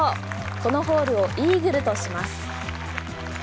このホールをイーグルとします。